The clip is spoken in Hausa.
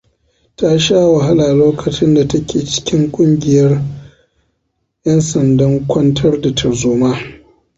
Ta sha wahala lokacin da take cikin kungiyar yansandan kwantar da tarzoma.